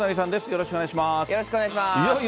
よろしくお願いします。